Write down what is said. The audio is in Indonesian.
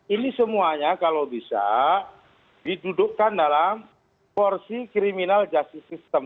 ini semuanya kalau bisa didudukkan dalam porsi criminal justice system